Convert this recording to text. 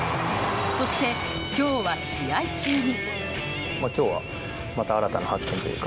そして、今日は試合中に。